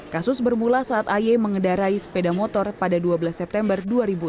kasus bermula saat aye mengendarai sepeda motor pada dua belas september dua ribu enam belas